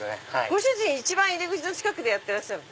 ご主人一番入り口の近くでやってらっしゃる。